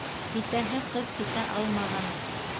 Китәһе ҡыҙ китә алмаған.